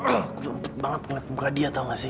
aku gempet banget ngeliat muka dia tau gak sih